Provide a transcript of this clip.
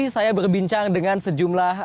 saya berbincang dengan sejumlah